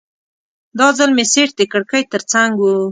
دا ځل مې سیټ د کړکۍ ترڅنګ و.